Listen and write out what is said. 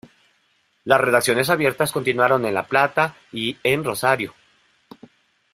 Las redacciones abiertas continuaron en La Plata, y en Rosario.